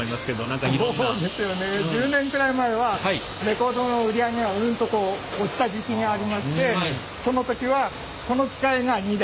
そうですよね１０年くらい前はレコードの売り上げがうんとこう落ちた時期がありましてその時はこの機械が２台。